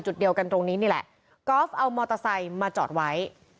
จุดเดียวกันตรงนี้นี่แหละกอล์ฟเอามอเตอร์ไซค์มาจอดไว้